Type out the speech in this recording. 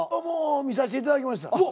もう見させていただきました。